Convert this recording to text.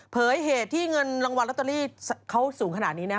เหตุที่เงินรางวัลลอตเตอรี่เขาสูงขนาดนี้นะ